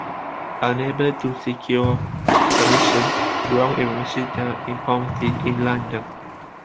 Unable to secure commissions, Brown eventually died in poverty in London.